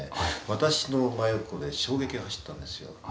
私の真横で衝撃が走ったんですよ。